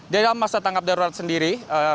dalam masa tanggap darurat sendiri